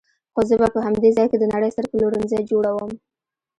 خو زه به په همدې ځای کې د نړۍ ستر پلورنځی جوړوم.